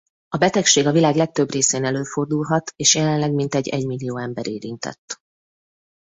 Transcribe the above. A betegség a világ legtöbb részén előfordulhat és jelenleg mintegy egy millió ember érintett.